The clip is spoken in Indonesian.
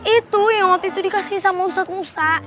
itu yang waktu itu dikasih sama musat musa